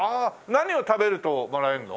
何を食べるともらえるの？